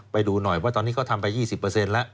เพราะว่าตอนนี้เขาทำไป๒๐แล้ว